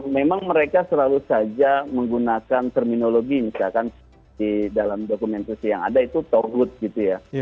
memang mereka selalu saja menggunakan terminologi misalkan di dalam dokumentasi yang ada itu tauhud gitu ya